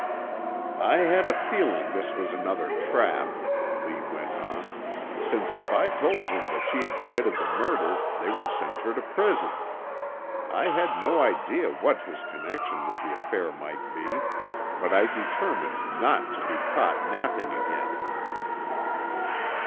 "I had a feeling this was another trap," Lee went on, "since if I told him that she had committed the murder they would send her to prison. I had no idea what his connection with the affair might be, but I determined not to be caught napping again."